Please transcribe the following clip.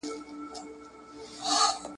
تر دې ځایه پوري نه سو موږ راتللای ,